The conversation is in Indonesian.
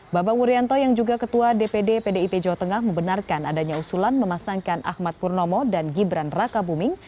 bambang wuryanto yang juga ketua dpd pdip jawa tengah membenarkan adanya usulan memasangkan ahmad purnomo dan gibran raka buming